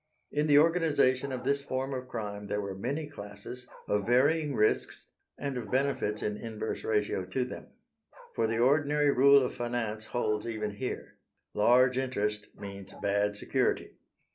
In the organisation of this form of crime there were many classes, of varying risks and of benefits in inverse ratio to them. For the ordinary rule of finance holds even here: large interest means bad security.